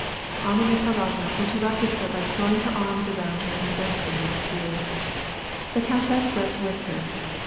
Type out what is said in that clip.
Anna Mikhailovna interrupted her by throwing her arras around her and bursting into tears. The countess wept with her.